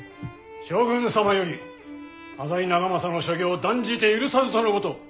将軍様より浅井長政の所業断じて許さずとのこと。